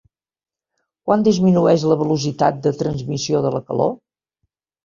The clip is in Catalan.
Quan disminueix la velocitat de transmissió de la calor.?